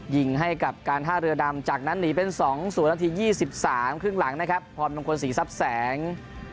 ยิงให้กับการท่าเรือดำจากนั้นหนีเป็น๒๐นาที๒๓ครึ่งหลังนะครับพรมงคลศรีทรัพย์แสง